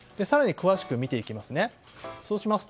更に詳しく見ていきます。